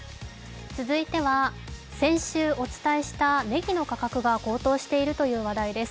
続いては先週お伝えしたねぎの価格が高騰しているという話題です